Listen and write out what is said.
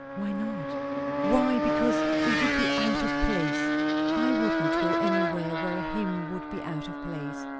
"Why not?" "Why, because! It would be out of place." "I would not go anywhere where a hymn would be out of place."